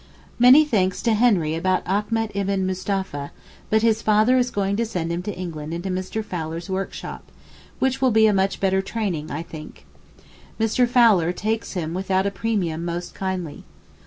Many thanks to Henry about Achmet Ibn Mustapha, but his father is going to send him to England into Mr. Fowler's workshop, which will be a much better training I think. Mr. Fowler takes him without a premium most kindly.